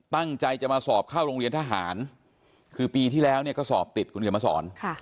ตั้งใจจะมาสอบเข้าโรงเรียนทหารคือปีที่แล้วเนี่ยก็สอบติดคุณเขียนมาสอน